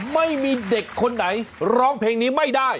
ไม่มีเด็กคนไหนร้องเพลงนี้ไม่ได้